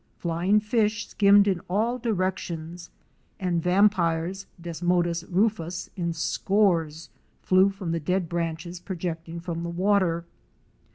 Flying fish skimmed in all directions and vampires (Desmodus rufus) in scores flew from the dead branches projecting from the water.